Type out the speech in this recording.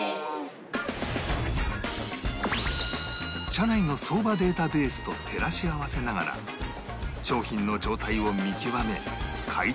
社内の相場データベースと照らし合わせながら商品の状態を見極め買取額を算出